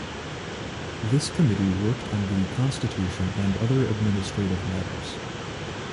This committee worked on the constitution and other administrative matters.